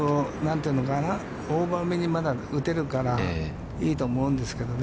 オーバーめにまだ打てるから、いいと思うんですけどね。